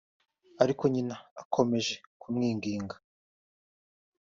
ariko Nyina akomeje kumwinginga